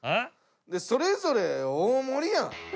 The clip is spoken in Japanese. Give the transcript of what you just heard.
それぞれ大盛りやん。